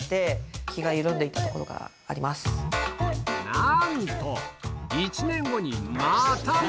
なんと１年後に実は